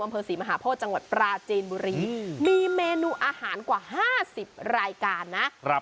อำเภอศรีมหาโพธิจังหวัดปราจีนบุรีมีเมนูอาหารกว่า๕๐รายการนะ